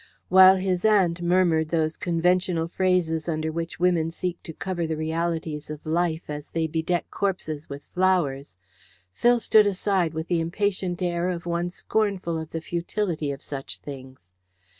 While his aunt murmured those conventional phrases under which women seek to cover the realities of life as they bedeck corpses with flowers, Phil stood aside with the impatient air of one scornful of the futility of such things.